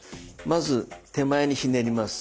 まず手前にひねります。